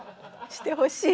してほしい。